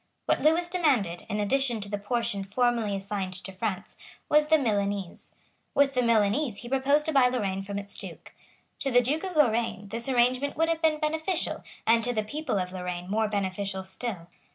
What Lewis demanded, in addition to the portion formerly assigned to France, was the Milanese. With the Milanese he proposed to buy Lorraine from its Duke. To the Duke of Lorraine this arrangement would have been beneficial, and to the people of Lorraine more beneficial still.